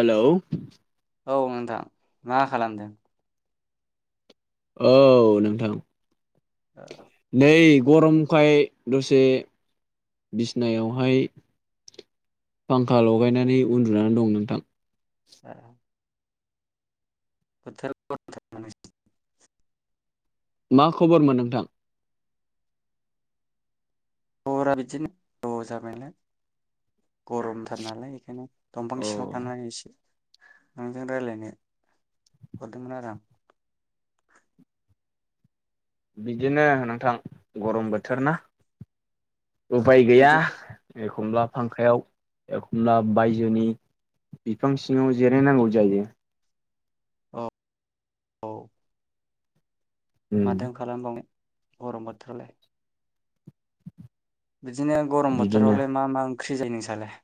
Hello औ नोंथां मा खालामदों? औ नोंथां। आ नै गरमखाय दसे बिसनायावहाय फांखा लगायनानै उन्दुनानै दं नोंथां। ए थार मान [unintelligible] मा खबरमोन नोंथां? द राबदिनो दज मल [unintelligible] गरमथार नालाय बेखायनो दंफां औ सिङाव थांनानै एसे नोंजों रायलायनो हरदोंमोन आरो आं बिदिनो नोंथां गरम बोथोर ना। उफाय गैया बिदि एखमब्ला फांखायाव एखमब्ला बायजोनि बिफां सिङाव जिराय नांगौ जायो। औ औ। उम माथो खालामबावनो। गरम बोथोराव लाय। बिदिनो गरम बिदिनो बोथोरावलाय मा मा ओं ख्रि जायो नोंसालाय?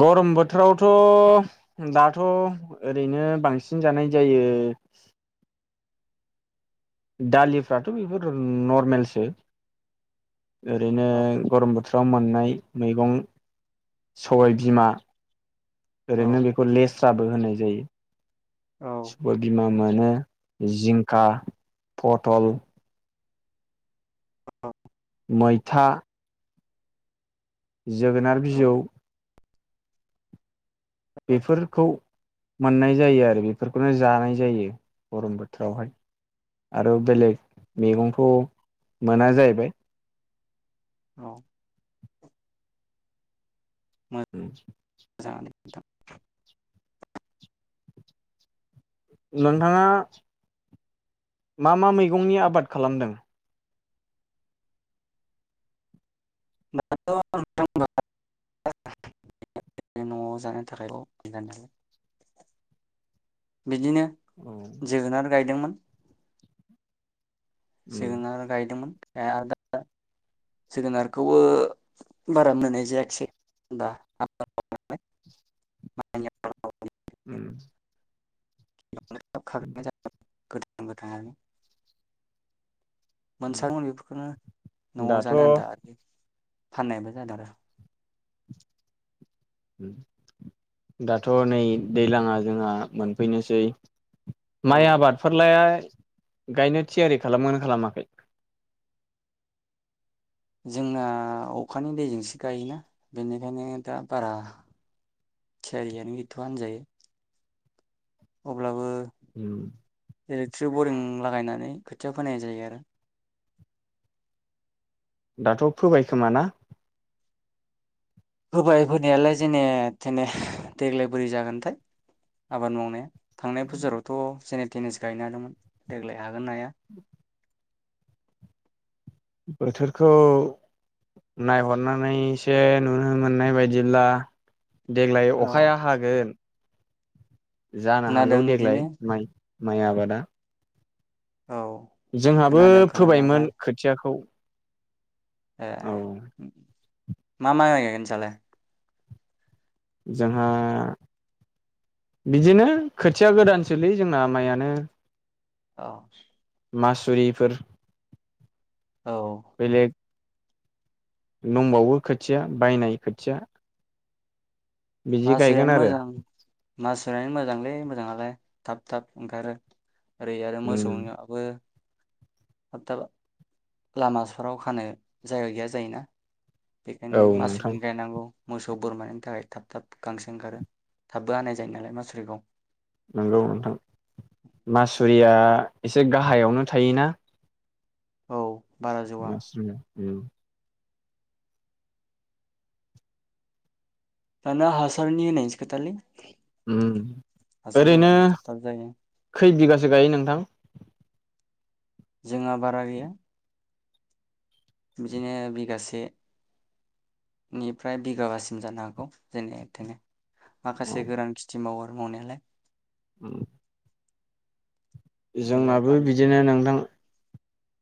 गरम बोथोरावथ' दाथ' ओरैनो बांसिन जानाय जायो दालिफ्राथ' बेफोर र नरमेलसो। ओरैनो औ गरम बोथोराव मोननाय मैगं सबाय बिमा औ ओरैनो बेखौ लेस स्राबो होननाय जायो। औ सबाय बिमा। मोनो जिंखा, पथल औ। मैथा जोगोनार औ बिजौ बेफोरखौ मोननाय जायो आरो बेफोरखौनो जानाय जायो गरम बोथोरावहाय आरो बेलेग मैगंखौ मोना जाहैबाय। अ। उम। [inaudible] नोंथाङा मा मा मैगंनि आबाद खालामदों? [unintelligible] न'आव जानो थाखाय [unintelligible] बिदिनो औ जोगोनार गायदोंमोन। उम जोगोनार गायदोंमोनमोन। आरो दा जोगोनारखौबो बारा मोननाय जायाखिसै [unintelligible] उम। [unintelligible] [unintelligible] उम मोनसाबो बेफोरखौनो न'आव दाथ' जानो आनथा आरोखि। फाननायबो जादों आरो। दाथ' नै दैलाङा जोंहा मोनफैनोसै। माइ औ आबादफोरलाय गायनो थियारि खालामोन खालामाखै? जोंना अखानि दैजोंसो गायोना बेनिखायनो दा बारा थियारियानो गैथ'आ होनजायो। अब्लाबो उम। इलेक्ट्रि बरिं लागायनानै खोथिया फोनाय जायो आरो। दाथ' फोबायखोमा ना? फोबाय फोनायालाय जेने थेने देग्लाय बोरै जागोनथाय आबाद मावनाया। थांनाय बुजोरावथ' जेने थेनेसो गायनो हादोंमोन। देग्लाय हागोन ना हाया? बोथोरखौ नायहरनानैसो नुनो मोननाय बायदिब्ला देग्लाय औ अखाया हागोन। जानो हागौ खोनादों बिदिनो देग्लाय माइ माय आबादा। औ जोंहाबो खोनादों खोनानायालाय फोबायमोन खोथियाखौ। ए औ उम। मा माय गायगोन नोंसालाय? जोंहा बिदिनो खोथिया गोदान सोलै जोंना माइयानो। औ। मासुरिफोर औ। बेलेग दंबावो खोथिया बायनाय खोथिया। बिदि गायगोन मासुरियानो आरो मोजां। मासुरियानो मोजांलै मोजाङालाय। थाब थाब ओंखारो। ओरै आरो उम मोसौनियाबो थाबथाब लामाफोराव खानो जायगा गैया जायोना। बेखायनो औ नोंथां मासुरि गायनांगौ मोसौ बोरमानि थाखाय थाब थाब गांसो ओंखारो। थाबबो हानाय जायो नालाय मासुरिखौ। नंगौ नोंथां। मासुरिया एसे गाहायावनो थायोना? औ। बारा जौआ मासुरि उम। दाना हासारनि होनायनिसो खोथा लै। उम ओरैनो थाब थाब जायो खै बिगासो गायो नोंथां? जोंहा बारा गैया। बिदिनो बिगासे निफ्राय बिगाबासिम जानो हागौ जेने थेने माखासे गोरां खिथि मावो। मनाया लाय उ। देलाय जोंनाबो बानलु बिदिनो नोंथां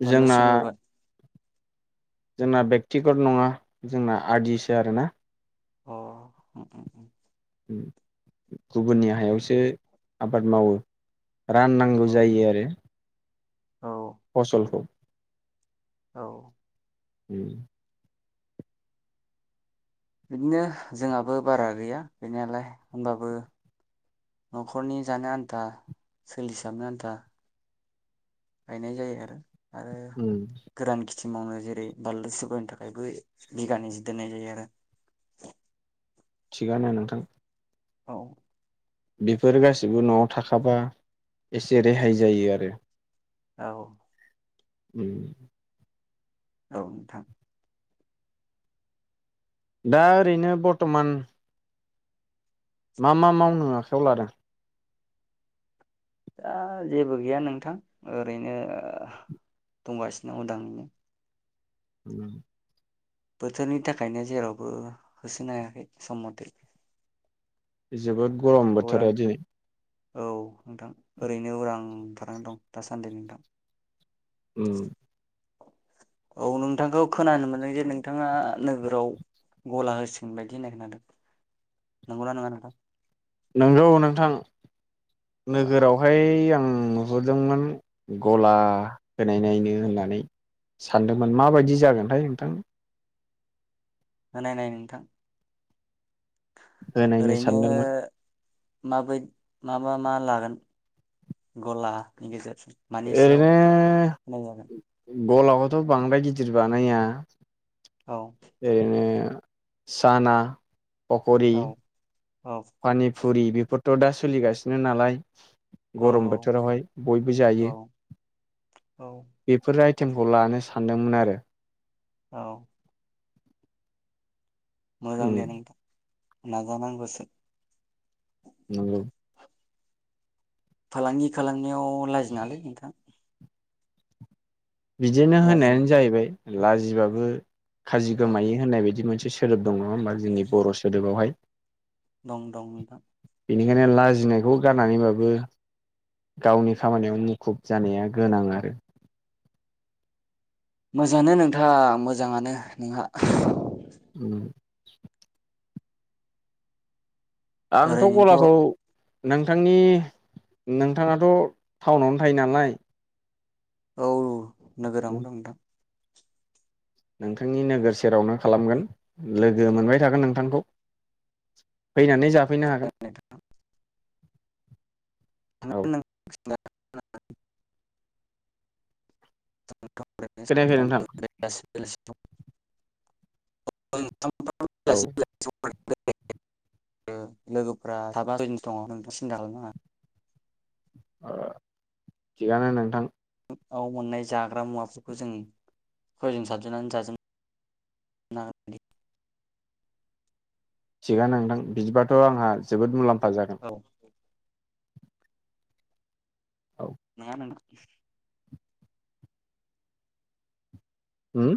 बानलु जोंना। सिब्र गाय जोंना बेक्तिगत नङा जोंना आरदिसो आरोना। अ। गुबुननि हायावसो आबाद मावो। राननांगौ औ जायो आरो। औ फसलखौ औ। उम। बिदिनो जोंहाबो बारा गैया गैनायालाय होमबाबो न'खरनि जानो आन्था सोलिसाबनो आन्था। गायनाय जायो आरो। आरो उम गोरान गि। क्किमावनो जेरै बारलु सुबफोरनि थाखायबो बिगानै जि दोननाय जायो आरो। थिगानो नोंथां। औ। बेफोर गासिबो न'आव थाखाबा एसे रेहाय जायो आरो। औ। उम। औ नोंथां। दा ओरैनो बर्थमान। मा मा मावनो आखायाव लादों। दा जेबो गैया नोंथां ओरैनो दंगासिनो उदाङैनो। उम। बोथोरनि थाखायनो जेरावबो होसोनो हायाखै सम मथे। जोबोद गरम उरां बोथोरा दिनै। औ नोंथां ओरैनो उरांंनानै दं दासान्दि नोंथां। उम [inaudible] औ नोंथांखौ खोनानो मोनदों जे नोंथाङा नोगोराव गला होसिगोन बायदि होननाय खोनादों नंगौना नङा नोंथां। नोंगौ नोंथां। नोगोरावहाय आं। आं नुहुरदोंमोन गला होनाय नायनो होननानै सानदोंमोन माबायदि जागोनथायाय नोंथां। होनायनाय नोंथां। होनायनो ओरैनो सानदोंमोन। माबै माबा मा लागोन गलानि गेजेरजों। मानि सायाव दिनो। होनाय जागोन गलाखौथ' बांद्राय गिदिर बानाया। औ [inaudible] साना। पकरि औ औ पानि। फुरि बेफोरथ' दा सोलिगासिनो नालाय। औ गरम बोथोरावहाय बयबो औ जायो औ बेफोर टिमखौ लानो सानदोंमोन आरो। औ मोजां उम दे नोंथां। नाजानांगो सो नंगौ फालांगि खालामनायाव लाजि नाङालै नोंथां। बिदिनो लाजि होननायानो जाहैबाय। लाजिबाबो खाजि औ गोमायो होननाय बायदि मोनसे सोदोब दं नङा होमबा जोंनि बर' सोदोबावहाय? दं दं नोंथां। बेनिखायनो लाजिनायखौ गारनानैबो गावनि खामानियाव मुखुब जानाया गोनां आरो। मोजाङानो नोंथां मोजाङानो नोंहा। उम आंथ' ओरैनोथ' गलाखौ नोंथांनि नोंथाङाथ' थाउनावनो थायो नालाय। औ नोगोरावनो दं नोंथां। नोंथांनि नोगोर सेरावनो खालामगोन लोगो मोनबाय थागोन नोंथांखौ। फैनानै जाफैनो हागोन। औ [unintelligible] खोनायाखै नोंथां [unintelligible] [inaudible] औ [unintelligible] ओ लोगोफोरा साबा सयजनसो दङ नोंथाङा सिन्था खालाम नाङा। ओ थिगानो नोंथां। आव मोननाय जाग्रा मुवाफोरखौ जों सयजोन साथजोन आनो जा [unintelligible] थिगानो नोंथां बिदिबाथ' आंहा जोबोद मुलाम फा जागोन। औ औ नोङा नोंथां। होम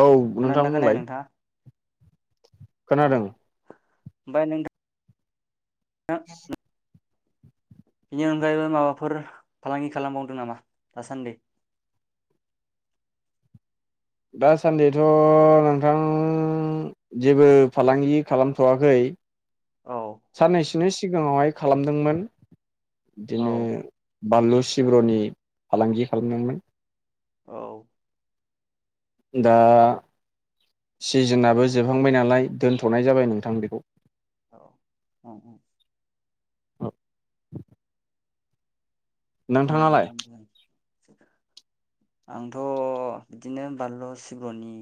औ नोंथां खोनादोंना खोनायाखै बुंलाय। नोंथाङा खोनादों। ओमफाय नों [unintelligible] बेनि अनगायैबो माबाफोर फालांगि खालामबावदों नामा दासान्दि? दासान्दिथ' नोंथां जेबो फालांगि खालामथ'वाखै। औ साननैसिनिस सिगाङावहाय खालामदोंमोन। बिदिनो औ बानलु सिब्र'नि फालांगि खालामदोंमोन। औ दा सिजोनाबो जोबहांबाय नालाय दोनथ'नाय जाबाय नोंथां बेखौ। औ उम उम। ओ मोजां नोंथां मोजां। आंथ' बिदिनो बानलु सिब्रनि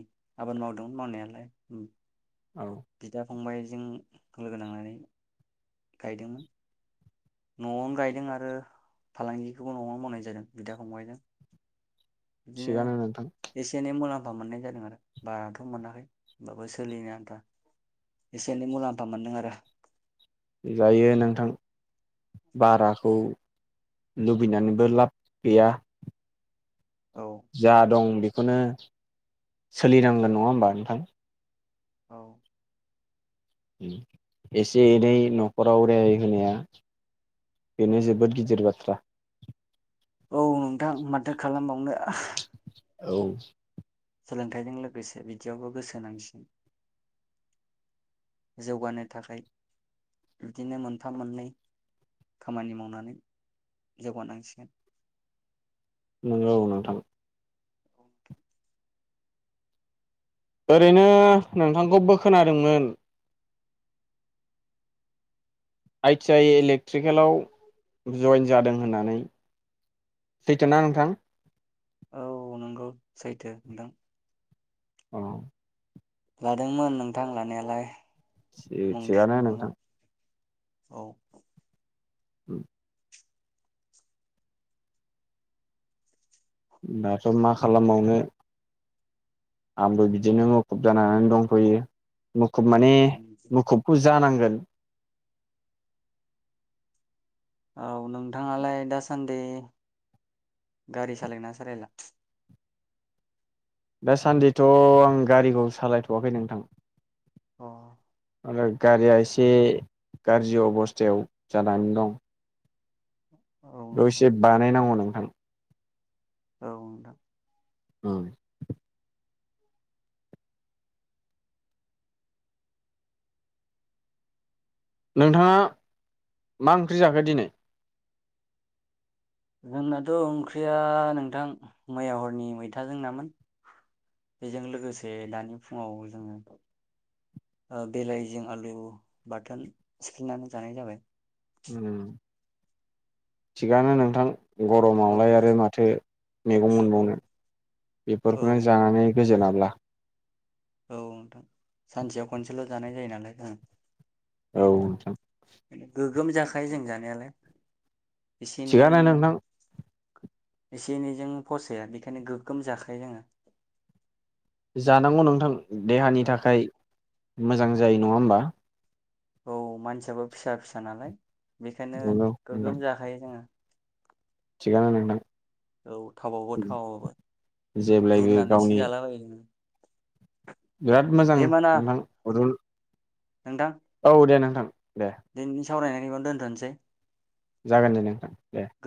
आबाद मावदोंमोन मावनायालाय उम। औ फंबायजों लोगो नांनानै गायदोंमोन। न'आवनो गायदों आरो फालांगिखौबो न'आवनो मावनाय जादों बिदा फंबायजों। बिदिनो थिगानो नोंथां एसे एनै मुलाम फा मोननाय जादों आरो बाराथ' मोनाखै होनबाबो सोलिनो आन्था एसे एनै मुलाम्फा मोनदों आरो। जायो नोंथां बाराखौ लुबैनानैबो लाब गैया। औ जा दं बे खौनो सोलिनांगोन नङा होमबा नोंथां? औ उम एसे एनै न'खराव रेहाय होनाया बेनो जोबोद गिदिर बाथ्रा। औ नोंथां माथो खालामबावनो। औ सोलोंथाइजों लोगोसे बिदियावबो गोसोनांसिगोन। जौगानो थाखाय बिदिनो मोनथाम मोननै खामानि मावनानै जौगानांसिगोन। नोंगौ नोंथां। ओरैनो नोंथांखौबो खोनादोंमोन आइ टि आइ इलेक्ट्रिकेलाव जयन जादों होननानै, सैथो ना नोंथां? औ नंगौ सैथो नोंथां। औ लादोंमोन नोंथां लानायालाय। मुं थि-थिगानो थिसनदोंमोन नोंथां। औ उम दाथ' मा खालामबावनो आंबो बिदिनो मुखुब जानानै दंफैयो मु खुब माने मुखुबखौ जो जानांगोन। औ नोंथाङालाय दासान्दि गारि सालाय ना सालायला? दासान्दिथ' आं गारिखौ सालायथ'वाखै नोंथां। अ आरो गारिया इसे गारजि अबस्थायाव जानानै दं। औ बेव नोंथां इसे बानायनांगौ नो थां औ नोंथां। औ नोंथाङा मा ओंख्रि जाखो दिनै? जोंनाथ' ओंख्रिया नोंथां मैया हरनि मैथाजों नामोन बेजों लोगोसे दानि फुङाव जोङो ओ बिलाहिजों आलु बाथोन सिफ्ललिनानै जानाय जाबाय। उम थिगानो नोंथां। औ गरमावलाय आरो माथो मैगं औ मोनबावनो औ बेफोरखौनो जानानै गोजोनाब्ला। औ नोंथां सानसेयाव खनसेल' जानाय जायो नालाय ओं औ नोंथां गोगोम जाखायो जों जानायालाय। एसे एनैजों थिगानो नोंथां एसे एनैजों फसाया बेखायनो गोगोम जाखायो जोङो। जानांगौ नोंथां। देहानि थाखाय मोजां जायो नङा ओमबा? औ मानसियाबो फिसा फिसा नालाय। बेखायनो नंगौ नोंथां गोगगोम जाखायो जोङो। थिगानो नोंथां। औ थाबावबो थावाबो जेब्लायबो गावनि रुनानैसो जाला बायो जोङो। बिराद मोजां दे होमबा ना नोंथां अदुल नोंथां औ दे नोंथां। दे [unintelligible] सावरायनायनिखौ दोन्थ'नोसै। जागोन दे नोंथां दे।